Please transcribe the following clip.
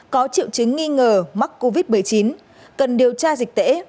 có triệu chứng nghi ngờ mắc covid một mươi chín cần điều tra dịch tễ